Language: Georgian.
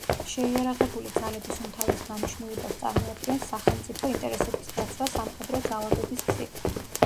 შეიარაღებული ძალების უმთავრეს დანიშნულებას წარმოადგენს სახელმწიფო ინტერესების დაცვა სამხედრო ძალადობის გზით.